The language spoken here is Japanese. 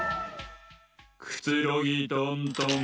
くつろぎトントン。